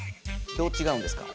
どうちがうんですか？